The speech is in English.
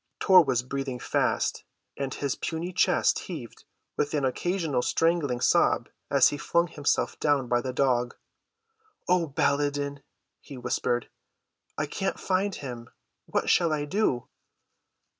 Tor was breathing fast and his puny chest heaved with an occasional strangling sob as he flung himself down by the dog. "Oh, Baladan," he whispered, "I can't find him; what shall I do?"